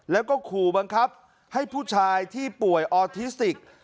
แล้วก็ขู่บังคับให้ผู้ชายที่ป่วยออทิสติก